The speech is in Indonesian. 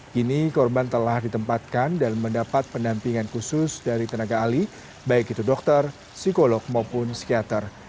kini korban telah ditempatkan dan mendapat pendampingan khusus dari tenaga ahli baik itu dokter psikolog maupun psikiater